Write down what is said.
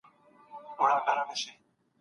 ښکاري وایې دا کم اصله دا زوی مړی